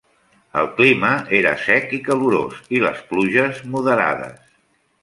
El clima era sec i calorós i les pluges moderades.